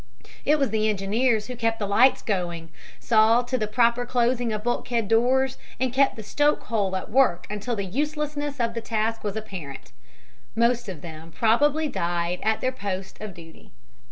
It was engineers who kept the lights going, saw to the proper closing of bulkhead doors and kept the stoke hole at work until the uselessness of the task was apparent. Most of them probably died at their post of duty.